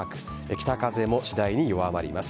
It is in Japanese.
北風も次第に弱まります。